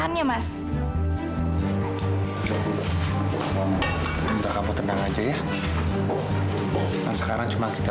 ini tempat kumpulkan kue untuk anak kita